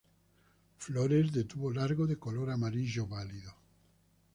Flores de tubo largo de color amarillo pálido.